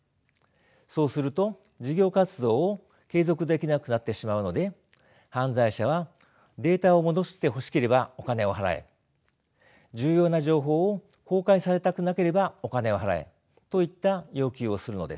そうすると事業活動を継続できなくなってしまうので犯罪者は「データを戻してほしければお金を払え」「重要な情報を公開されたくなければお金を払え」といった要求をするのです。